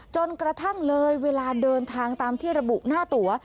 จนกระทั่งเลยเวลาเดินทางตามที่ระบุหน้าตัว